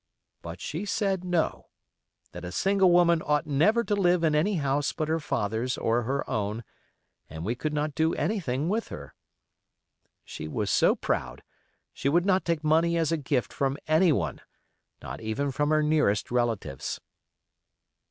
But she said no; that a single woman ought never to live in any house but her father's or her own; and we could not do anything with her. She was so proud she would not take money as a gift from anyone, not even from her nearest relatives.